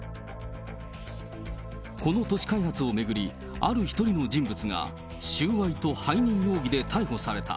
この都市開発を巡り、ある１人の人物が、収賄と背任容疑で逮捕された。